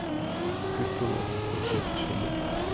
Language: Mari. Кӧ толын пургедеш ыле?